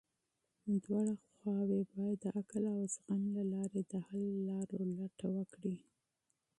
دواړه خواوې بايد د عقل او زغم له لارې د حل لارو لټه وکړي.